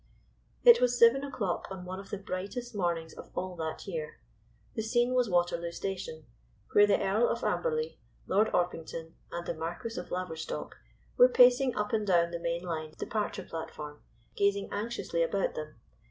* It was seven o'clock on one of the brightest mornings of all that year. The scene was Waterloo Station, where the Earl of Amberley, Lord Orpington, and the Marquis of Laverstock were pacing up and down the main line departure platform, gazing anxiously about them.